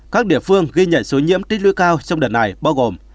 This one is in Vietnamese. các địa phương ghi nhận số nhiễm tích lưu cao trong đợt này bao gồm